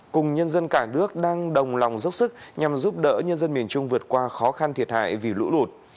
cùng nhân dân cả nước đang đồng lòng dốc sức nhằm giúp đỡ nhân dân miền trung vượt qua khó khăn thiệt hại vì lũ lụt